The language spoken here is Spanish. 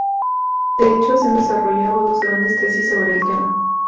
De hecho, se han desarrollado dos grandes tesis sobre el tema.